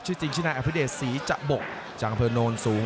ชื่อจริงชื่อหน้าอภิเดชศรีจะบกจังหาเผอร์โนนสูง